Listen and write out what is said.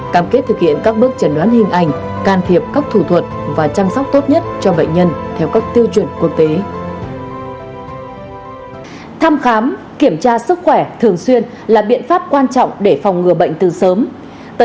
cảm kết thực hiện các bước chẩn đoán hình ảnh can thiệp các thủ thuật và chăm sóc tốt nhất cho bệnh nhân theo các tiêu chuẩn quốc tế